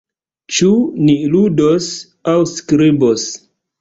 Ĉu ni ludos aŭ skribos?